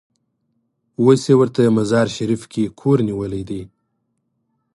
اوس یې ورته مزار شریف کې کور نیولی دی.